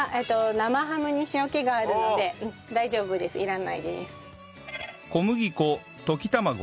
生ハムに塩気があるので大丈夫ですいらないです。